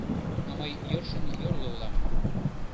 А мый йӧршын йорло улам.